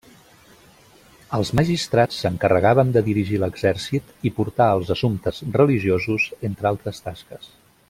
Els magistrats s'encarregaven de dirigir l'exèrcit i portar els assumptes religiosos, entre altres tasques.